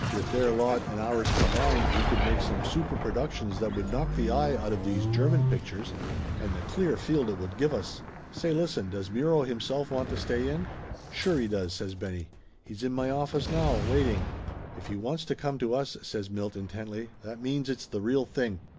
With their lot and ours com bined we could make some superproductions that would knock the eye out of these German pictures. And the clear field it would give us Say, listen, does Muro himself want to stay in ?" "Sure he does!" says Benny. "He's in my office now, waiting." "If he wants to come to us," says Milt intently, "that means it's the real thing.